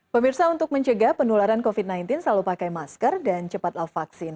pemirsa untuk mencegah penularan covid sembilan belas selalu pakai masker dan cepatlah vaksin